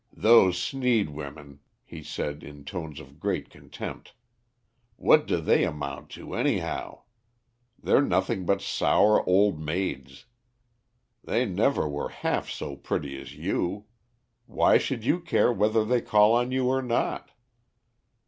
"Those Sneed women!" he said in tones of great contempt, "what do they amount to, anyhow? They're nothing but sour old maids. They never were half so pretty as you. Why should you care whether they called on you or not."